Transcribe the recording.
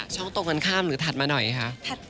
ตรงกันข้ามหรือถัดมาหน่อยคะ